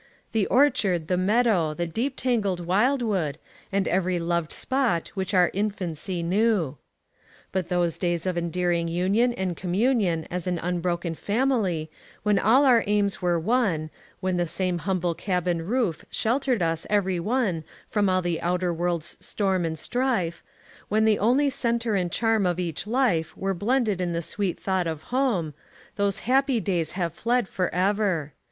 «< The orchard, the meadow, the deep tangled wild wood, And every loved spot which our in&ncy knew I" But those days of endearing union and communion as an unbroken family, when all our aims were one, when the same humble cabin roof sheltered us every one from all the outer world's storm and strife ; when the only center and charm of each life were blended in the sweet thought of home — ^those happy days have fled for ever